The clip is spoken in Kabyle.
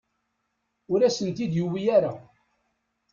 Ur asen-tent-id-yuwi ara.